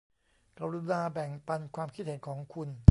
กรุณาแบ่งปันความคิดเห็นของคุณ